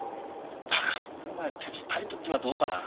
だからってお前鉄パイプってのはどうかな。